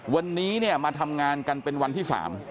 วันนี้มาทำงานกันเป็นวันที่๓